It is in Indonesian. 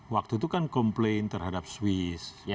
waktu itu kan komplain terhadap swiss